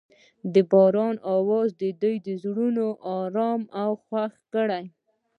د باران اواز د دوی زړونه ارامه او خوښ کړل.